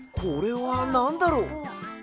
これはなんだろう？